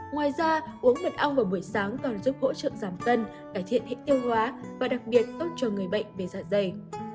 ngoài ra uống mật ong vào buổi sáng còn giúp hỗ trợ giảm tân cải thiện hệ tiêu hóa và đặc biệt tốt cho người bệnh về dạ dày